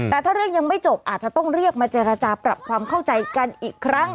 แต่ถ้าเรื่องยังไม่จบอาจจะต้องเรียกมาเจรจาปรับความเข้าใจกันอีกครั้ง